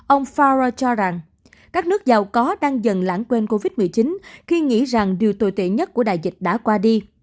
ông forra cho rằng các nước giàu có đang dần lãng quên covid một mươi chín khi nghĩ rằng điều tồi tệ nhất của đại dịch đã qua đi